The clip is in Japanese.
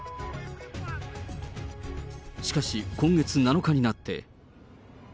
しかし、今月７日になって。